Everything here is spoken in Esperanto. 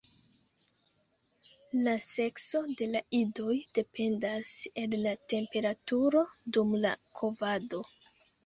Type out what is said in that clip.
La sekso de la idoj dependas el la temperaturo dum la kovado.